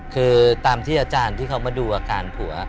คือตามที่อาจารย์ที่เขามาดูอาการผัว